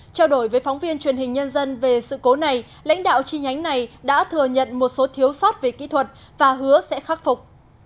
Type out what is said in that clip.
trao đổi với phóng viên truyền hình nhân dân về sự cố này lãnh đạo chi nhánh này đã thừa nhận một số thiếu sót về kỹ thuật và hứa sẽ khắc phục